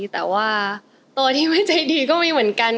แต่ว่าตัวที่ไม่ใจดีก็มีเหมือนกัน